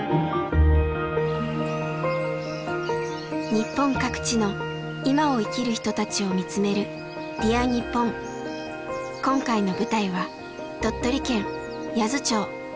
日本各地の今を生きる人たちを見つめる今回の舞台は鳥取県八頭町。